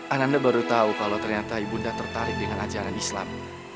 ananda baru tahu kalau ternyata ibunda tertarik dengan ajaran islam